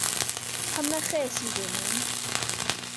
Pam na ches i ddim un?